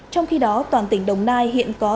trong khi đó toàn tỉnh đồng nai hiện có tám mươi